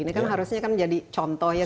ini kan harusnya kan jadi contoh ya